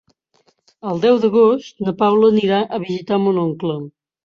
El deu d'agost na Paula anirà a visitar mon oncle.